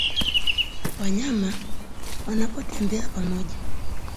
Wanyama wanapotembea pamoja